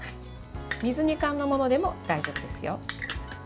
水煮缶のものでも大丈夫ですよ。